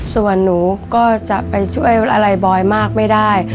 ส่วนหนูก็จะไปช่วยอะไรบอยมากไม่ได้